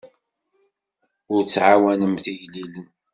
Ur tɛawnemt igellilen.